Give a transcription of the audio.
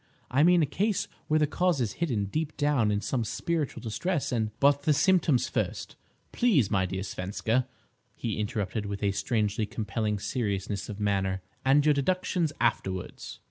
I mean a case where the cause is hidden deep down in some spiritual distress, and—" "But the symptoms first, please, my dear Svenska," he interrupted, with a strangely compelling seriousness of manner, "and your deductions afterwards."